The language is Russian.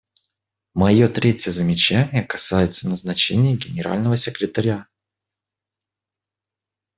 Мое третье замечание касается назначения Генерального секретаря.